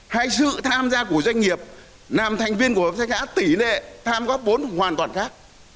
hay sự tham gia của doanh nghiệp làm thành viên của hợp tác xã tỷ lệ tham góp vốn hoàn toàn khác